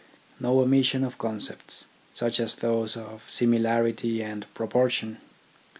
No omission of con cepts, such as those of Similarity and Proportion.